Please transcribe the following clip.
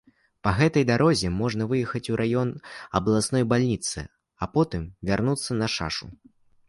Па гэтай дарозе можна выехаць у раён абласной бальніцы, а потым вярнуцца на шашу.